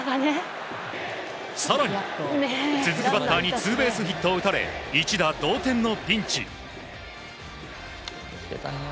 更に続くバッターにツーベースヒットを打たれ一打同点のピンチ。